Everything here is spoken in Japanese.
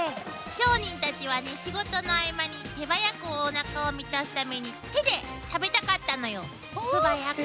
商人たちはね仕事の合間に手早くおなかを満たすために手で食べたかったのよ素早く。